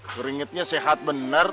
keringetnya sehat bener